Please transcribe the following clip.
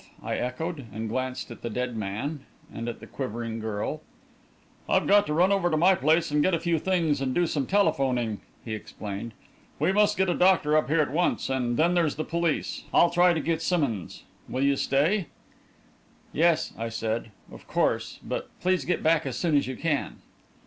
I echoed, and glanced at the dead man and at the quivering girl. "I've got to run over to my place to get a few things and do some telephoning," he explained. "We must get a doctor up here at once; and then there's the police I'll try to get Simmonds. Will you stay?" "Yes," I said, "of course. But please get back as soon as you can."